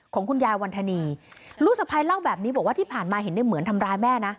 ของคุณยายวันธนีลูกสะพ้ายเล่าแบบนี้บอกว่าที่ผ่านมาเห็นในเหมือนทำร้ายแม่นะ